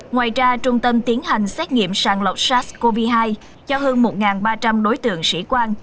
ngoài ra trung tâm tiến hành xét nghiệm sàng lọc sars cov hai cho hơn một ba trăm linh đối tượng sĩ quan